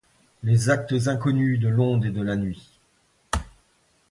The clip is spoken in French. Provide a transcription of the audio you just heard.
Les actes inconnus de l’onde et de la nuit ?